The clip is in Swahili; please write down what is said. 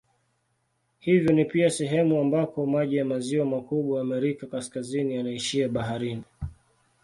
Hivyo ni pia sehemu ambako maji ya maziwa makubwa ya Amerika Kaskazini yanaishia baharini.